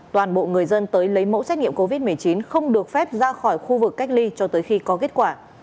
toàn bộ người dân tới lấy mẫu xét nghiệm covid một mươi chín không được phép ra khỏi khu vực cách ly cho tới khi có kết quả